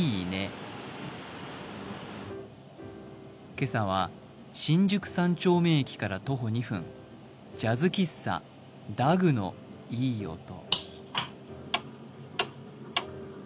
今朝は新宿三丁目駅から徒歩２分、ジャズ喫茶、ＤＵＧのいい音。